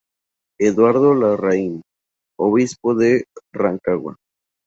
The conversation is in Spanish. Eduardo Larraín, Obispo de Rancagua.